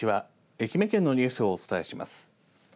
愛媛県のニュースをお伝えします。